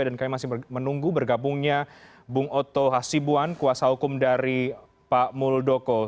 dan kami masih menunggu bergabungnya bung otto hasibuan kuasa hukum dari pak muldoko